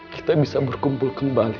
kita bisa berkumpul kembali